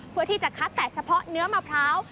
เพื่อที่จะคัดแตะเฉพาะเนื้อมะพร้าว